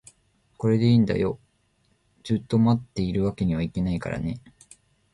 これでいいんだよ、ずっと持っているわけにはいけないからね